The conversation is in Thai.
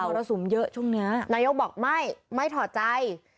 รสุมเยอะช่วงนี้นายกบอกไม่ไม่ถอดใจ